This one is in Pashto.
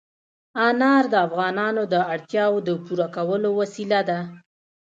انار د افغانانو د اړتیاوو د پوره کولو وسیله ده.